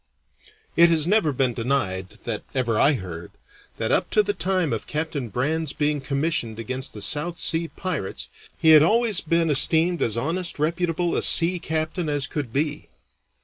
It has never been denied, that ever I heard, that up to the time of Captain Brand's being commissioned against the South Sea pirates he had always been esteemed as honest, reputable a sea captain as could be.